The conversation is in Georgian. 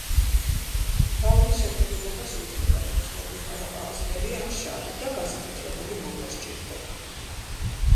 ბალნის შეფერილობა შეიძლება იყოს მოყვითალო-ყავისფერი, ან შავი და განსაკუთრებული მოვლა სჭირდება.